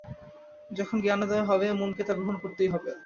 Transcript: যখন জ্ঞানোদয় হবে, মনকে তা গ্রহণ করতেই হবে।